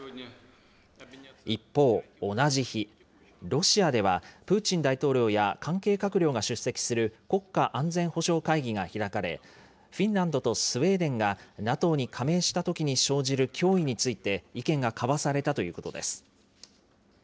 一方、同じ日、ロシアでは、プーチン大統領や関係閣僚が出席する国家安全保障会議が開かれ、フィンランドとスウェーデンがＮＡＴＯに加盟したときに生じる脅威について、意見が交わされたということです。